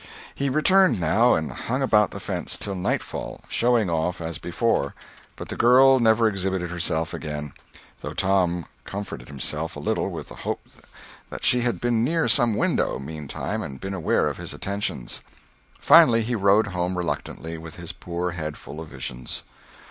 He returned, now, and hung about the fence till nightfall, "showing off," as before; but the girl never exhibited herself again, though Tom comforted himself a little with the hope that she had been near some window, meantime, and been aware of his attentions. Finally he strode home reluctantly, with his poor head full of visions.